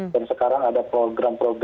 dan sekarang ada program program minyak gorengnya